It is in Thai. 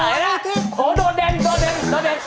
โหโดดเด่นโดดเด่นโดดเด่น